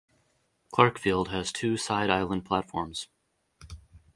Clarkefield has two side island platforms.